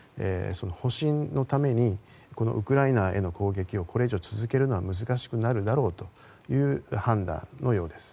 保身のためにウクライナへの攻撃をこれ以上続けるのは難しくなるだろうという判断のようです。